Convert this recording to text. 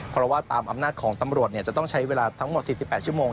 เพราะว่าตามอำนาจของตำรวจจะต้องใช้เวลาทั้งหมด๔๘ชั่วโมง